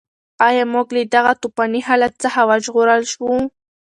ایا موږ له دغه توپاني حالت څخه وژغورل شوو؟